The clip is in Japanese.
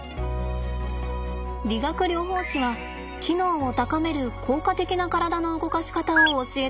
理学療法士は機能を高める効果的な体の動かし方を教えてくれました。